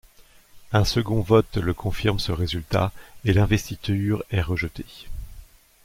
Un second vote le confirme ce résultat et l'investiture est rejetée.